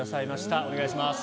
お願いします！